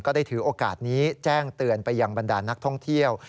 ได้ถือโอกาสนี้แจ้งเตือนไปยังบรรดานักท่องเที่ยว